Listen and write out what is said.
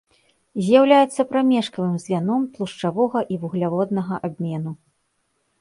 З'яўляецца прамежкавым звяном тлушчавага і вугляводнага абмену.